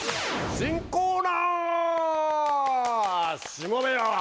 しもべよ！